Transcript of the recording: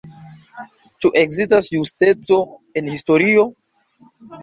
Ĉu ekzistas justeco en historio?